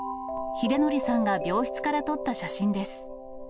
秀典さんが病室から撮った写真です。